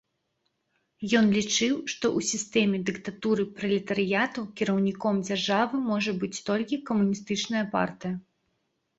Ён лічыў, што ў сістэме дыктатуры пралетарыяту кіраўніком дзяржавы можа быць толькі камуністычная партыя.